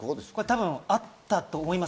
多分あったと思います。